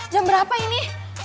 jam berapa ini